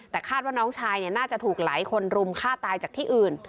แต่คาดว่าน้องชายน่าจะถูกหลายคนรุมฆ่าตายจากที่อื่น